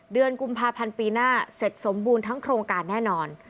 เดือนกุมภาพันธ์ปีหน้าเสร็จสมบูรณ์ทั้งโครงการแน่นอน